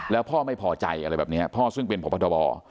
แล้วพ่อไม่พอใจอะไรแบบนี้พ่อซึ่งเป็นพบทบ